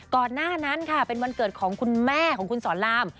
หน้านั้นค่ะเป็นวันเกิดของคุณแม่ของคุณสอนราม